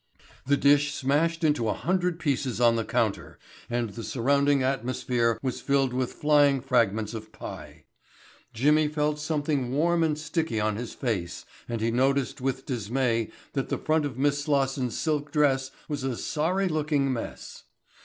The dish smashed into a hundred pieces on the counter and the surrounding atmosphere was filled with flying fragments of pie. Jimmy felt something warm and sticky on his face and he noticed with dismay that the front of Miss Slosson's silk dress was a sorry looking mess.